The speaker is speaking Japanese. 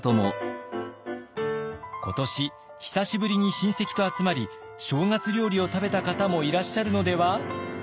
今年久しぶりに親戚と集まり正月料理を食べた方もいらっしゃるのでは？